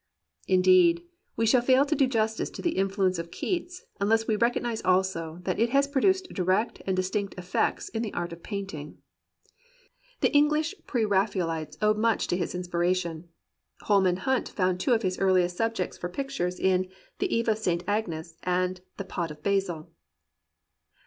Indeed, we shall fail to do justice to the influence of Keats unless we recognize also that it has pro duced direct and distinct effects in the art of paint ing. The English pre RaphaeHtes owed much to his inspiration. Holman Hunt found two of his earhest subjects for pictures in "The Eve of St. Agnes" and "The Pot of Basil."